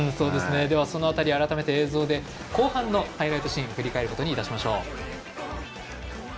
その辺り、改めて映像で後半のハイライトシーンを振り返ることにいたしましょう。